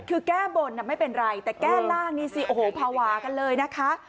คือแก้บนไม่เป็นไรแต่แก้ร่างนี่สิโอ้โหภาวะกันเลยนะคะ